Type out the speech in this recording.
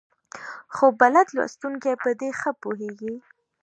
خو بلد لوستونکي په دې ښه پوهېږي.